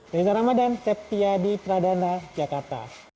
dari saramadan septya di pradana jakarta